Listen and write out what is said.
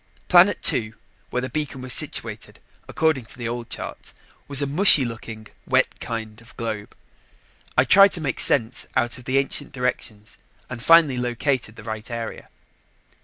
Planet two, where the beacon was situated according to the old charts, was a mushy looking, wet kind of globe. I tried to make sense out of the ancient directions and finally located the right area.